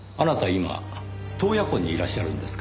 今洞爺湖にいらっしゃるんですか？